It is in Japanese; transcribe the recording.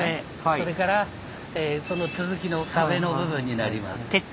それからその続きの壁の部分になります。